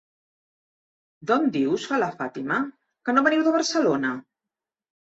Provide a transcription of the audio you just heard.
D'on dius? —fa la Fàtima— Que no veniu de Barcelona?